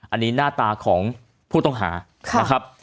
อันนี้หน้าตาของผู้ต้องหานะครับ